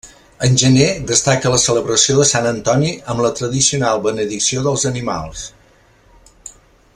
En gener destaca la celebració de Sant Antoni, amb la tradicional benedicció dels animals.